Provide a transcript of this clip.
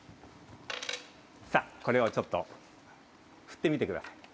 これをちょっと振ってみてください。